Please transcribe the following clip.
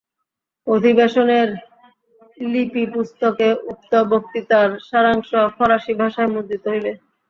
অধিবেশনের লিপিপুস্তকে উক্ত বক্তৃতার সারাংশ ফরাসী ভাষায় মুদ্রিত হইবে।